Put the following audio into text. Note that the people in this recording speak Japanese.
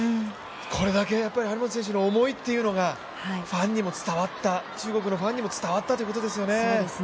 これだけ張本選手の思いというのが中国のファンにも伝わったということですよね。